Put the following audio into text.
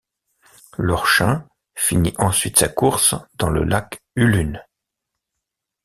L'Orchun finit ensuite sa course dans le lac Hulun.